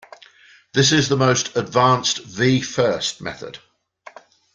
This is the most advanced V first method.